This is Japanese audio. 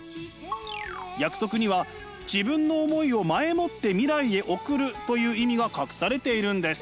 約束には自分の思いを前もって未来へ送るという意味が隠されているんです。